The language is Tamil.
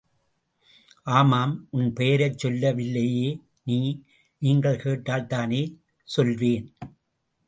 ஆமாம், உன் பெயரைச் சொல்லவில்லையே நீ? நீங்கள் கேட்டால்தானே சொல்வேன்?...